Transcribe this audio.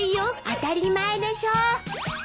当たり前でしょ！